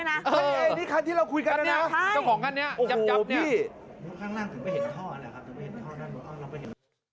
เฮ่ยนี่คันที่เราคุยกันนะนะเจ้าของคันนี้จับนี่โอ้โฮพี่